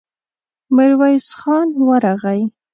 ميرويس خان ورغی.